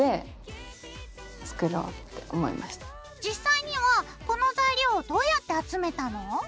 実際にはこの材料どうやって集めたの？